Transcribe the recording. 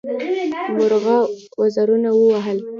مرغه وزرونه ووهل.